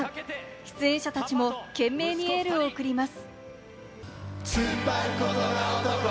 出演者たちも懸命にエールを送ります。